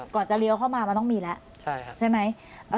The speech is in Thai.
จะเลี้ยวเข้ามามันต้องมีแล้วใช่ไหม